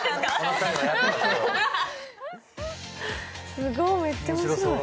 すごいめっちゃ面白い。